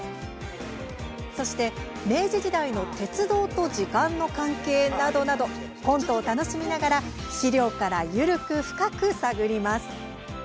そして、「明治時代の鉄道と時間の関係」などなどコントを楽しみながら資料から緩く深く探ります。